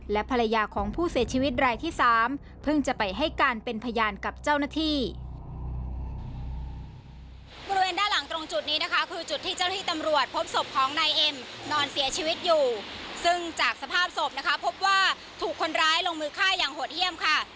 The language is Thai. และภรรยาของผู้เสียชีวิตรายที่๓เพิ่งจะไปให้การเป็นพยานกับเจ้าหน้าที่ตำรวจ